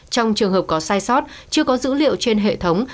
trong trường hợp có sai sót chưa có dữ liệu trên hệ thống